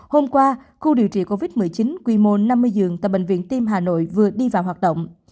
hôm qua khu điều trị covid một mươi chín quy mô năm mươi giường tại bệnh viện tim hà nội vừa đi vào hoạt động